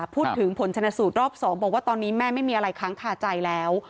พูดถึงผลชนสูตรรอบ๒บอกว่าตอนนี้แม่ไม่มีอะไรค้างคาใจแล้ว